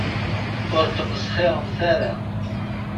Ur tmesxiremt ara.